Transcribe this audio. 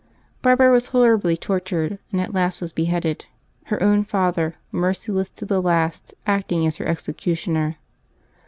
Barbara was horribly tortured, and at last was beheaded, her own father, merciless to the last, acting as her executioner.